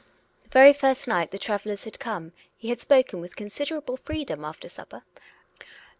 The very first night the travellers had come he had spoken with considerable freedom after supper.